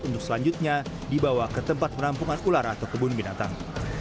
untuk selanjutnya dibawa ke tempat penampungan ular atau kebun binatang